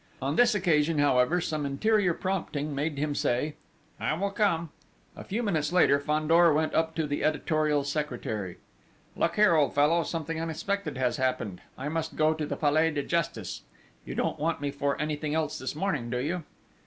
On this occasion, however, some interior prompting made him say: "I will come." A few minutes later Fandor went up to the editorial secretary: "Look here, old fellow, something unexpected has happened.... I must go to the Palais de Justice ... you don't want me for anything else this morning, do you?"